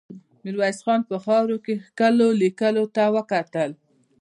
ميرويس خان په خاورو کې کښلو ليکو ته وکتل.